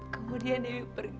kemudian dewi berdua